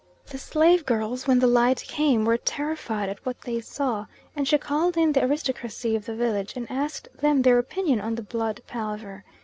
The slave girls when the light came were terrified at what they saw, and she called in the aristocracy of the village, and asked them their opinion on the blood palaver.